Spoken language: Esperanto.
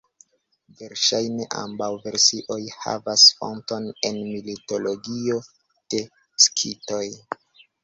Verŝajne ambaŭ versioj havas fonton en mitologio de Skitoj.